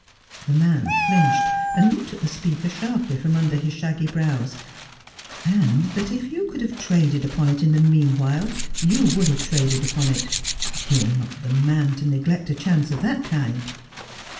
The man flinched, and looked at the speaker sharply from under his shaggy brows. 'And that if you could have traded upon it in the meanwhile, you would have traded upon it. You're not the man to neglect a chance of that kind.'